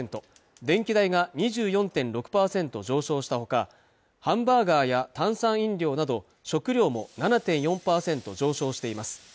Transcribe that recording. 電気代が２４．６％上昇したほかハンバーガーや炭酸飲料など食糧も７．４％上昇しています